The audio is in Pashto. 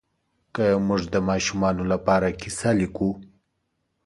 که موږ د ماشومانو لپاره کیسه لیکو